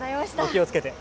お気を付けて。